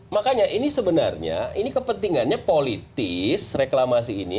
makanya ini sebenarnya ini kepentingannya politis reklamasi ini